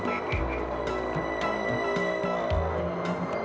eh yang apa